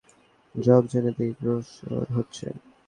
Drop জোনের দিকে অগ্রসর হচ্ছে।